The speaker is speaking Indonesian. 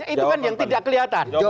itu kan yang tidak kelihatan